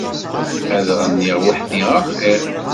Ad ɣenniɣ weḥdi a xir.